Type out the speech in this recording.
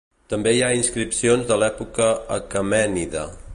També hi ha inscripcions de l'època Aquemènida.